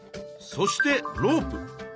そしてロープ。